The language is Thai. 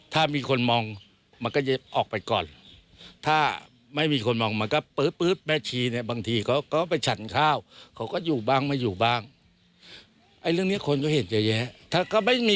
ถ้ามีคนเขาก็เข้าไม่เอาเลยอ่ะ